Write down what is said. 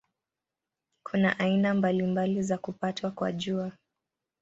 Kuna aina mbalimbali za kupatwa kwa Jua.